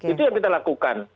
itu yang kita lakukan